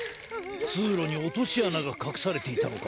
つうろにおとしあながかくされていたのか。